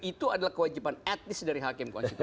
itu adalah kewajiban etnis dari hakim konstitusi